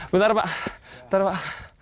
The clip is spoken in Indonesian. bentar pak bentar pak